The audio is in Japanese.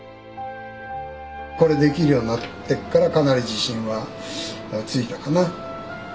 これできるようになってからかなり自信はついたかな。